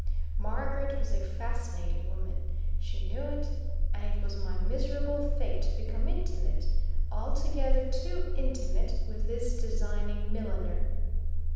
Margaret was a fascinating woman; she knew it, and it was my miserable fate to become intimate, altogether too intimate with this designing milliner.